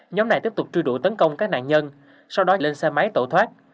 nhóm này tiếp tục truy đuổi tấn công các nạn nhân sau đó lên xe máy tẩu thoát